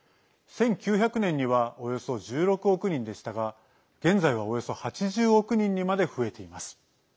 １９００年にはおよそ１６億人でしたが現在は、およそ８０億人にまで増えています。